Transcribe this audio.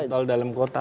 tol dalam kota